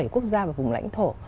ba mươi bảy quốc gia và vùng lãnh thổ